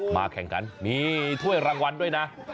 แข่งขันมีถ้วยรางวัลด้วยนะ